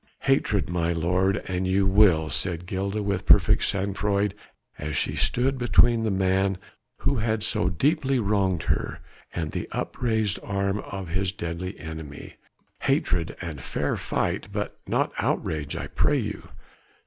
"Hatred, my lord, an you will," said Gilda with perfect sangfroid as she stood between the man who had so deeply wronged her and the upraised arm of his deadly enemy, "hatred and fair fight, but not outrage, I pray you."